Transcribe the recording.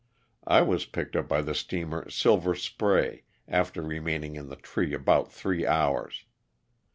I was picked up by the steamer '* Silver Spray," after remaining in the tree about three hours.